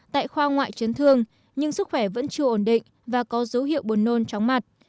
tại khoa ngoại chấn thương nhưng sức khỏe vẫn chưa ổn định và có dấu hiệu buồn nôn chóng mặt